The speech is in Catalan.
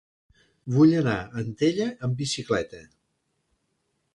Vull anar a Antella amb bicicleta.